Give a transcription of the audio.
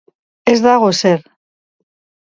Ez dago ezer.